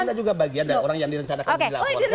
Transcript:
ada juga bagian dari orang yang direncanakan dilaporkan